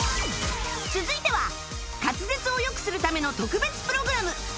続いては滑舌を良くするための特別プログラム